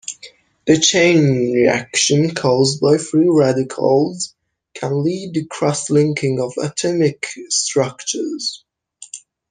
The chain reaction caused by free radicals can lead to cross-linking of atomic structures.